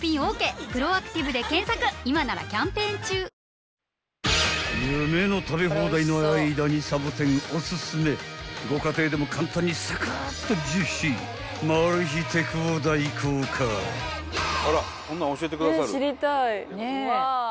ダイハツ［夢の食べ放題の間にさぼてんおすすめご家庭でも簡単にサクッとジューシーマル秘テクを大公開］知りたい。